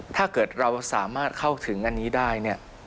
ถ้าเกิดเราสามารถเข้าถึงอันนี้ได้เนี่ย